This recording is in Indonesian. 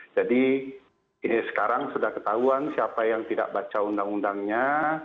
jadi sekarang sudah ketahuan siapa yang tidak baca undang undangnya